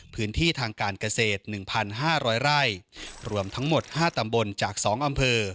พื้นที่ทางการเกษตร๑๕๐๐ไร่รวมทั้งหมด๕ตำบลจาก๒อำเภอ